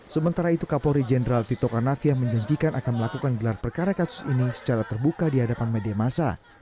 sementara itu kapolri jenderal tito karnavia menjanjikan akan melakukan gelar perkara kasus ini secara terbuka di hadapan media masa